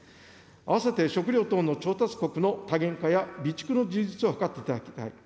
併せて、食料等の調達国の多元化や、備蓄の充実を図っていただきたい。